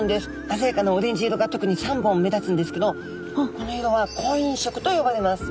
あざやかなオレンジ色が特に３本目立つんですけどこの色は婚姻色と呼ばれます。